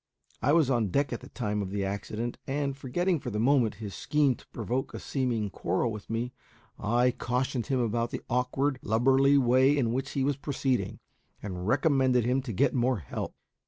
I was on deck at the time of the accident, and, forgetting for the moment his scheme to provoke a seeming quarrel with me, I cautioned him about the awkward, lubberly way in which he was proceeding, and recommended him to get more help.